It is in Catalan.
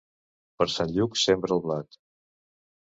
Per Sant Lluc sembra el blat.